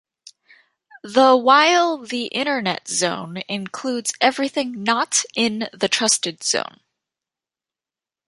The while the "Internet zone" includes everything not in the trusted zone.